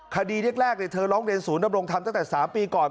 คดีแรกเธอร้องเรียนศูนย์ดำรงธรรมตั้งแต่๓ปีก่อน